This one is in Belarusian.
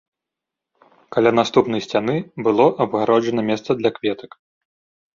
Каля наступнай сцяны было абгароджана месца для кветак.